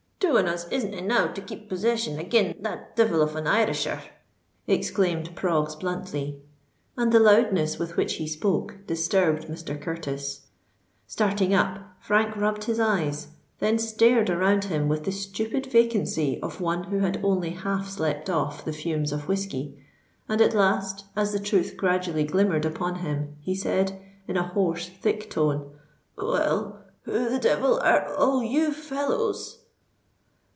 "Two on us isn't enow to keep possession agin that devil of an Irisher," exclaimed Proggs, bluntly; and the loudness with which he spoke disturbed Mr. Curtis. Starting up, Frank rubbed his eyes—then stared around him with the stupid vacancy of one who had only half slept off the fumes of whiskey—and at last, as the truth gradually glimmered upon him, he said in a hoarse, thick tone, "Well—who the devil are all you fellows?"